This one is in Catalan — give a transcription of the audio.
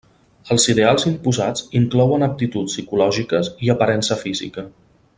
Els ideals imposats inclouen aptituds psicològiques i aparença física.